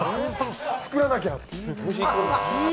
作らなきゃ！